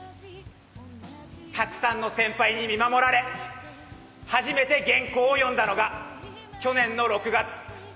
たくさんの先輩に見守られ初めて原稿を読んだのが去年の６月。